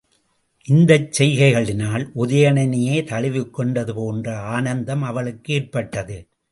இந்தச் செய்கைகளினால் உதயணனையே தழுவிக் கொண்டதுபோன்ற ஆனந்தம் அவளுக்கு ஏற்பட்டது.